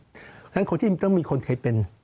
เพราะฉะนั้นคนที่ต้องมีคนเคยเป็น